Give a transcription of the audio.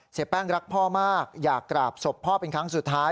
เสียแป้งรักพ่อมากอยากกราบศพพ่อเป็นครั้งสุดท้าย